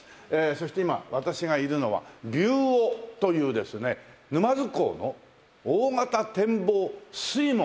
そして今私がいるのは「びゅうお」というですね沼津港の大型展望水門。